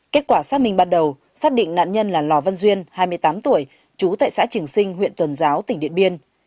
kết quả xác minh ban đầu xác định nạn nhân là lò văn duyên hai mươi tám tuổi trú tại xã trường sinh huyện tuần giáo tỉnh điện biên